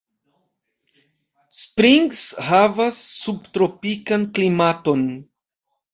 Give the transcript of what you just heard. Springs havas subtropikan klimaton.